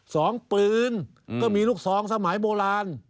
สองปืนก็มีลูกซองสมัยโบราณ